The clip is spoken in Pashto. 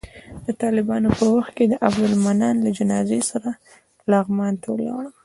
د طالبانو په وخت کې د عبدالمنان له جنازې سره لغمان ته ولاړم.